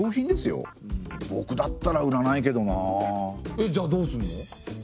えっじゃあどうするの？